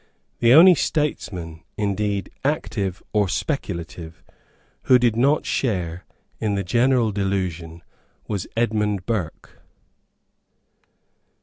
The only statesman, indeed, active or speculative, who did not share in the general delusion was Edmund Burke.